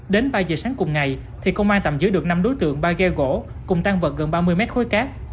đến ba giờ sáng cùng ngày thì công an tạm giữ được năm đối tượng ba ghe gỗ cùng tan vật gần ba mươi mét khối cát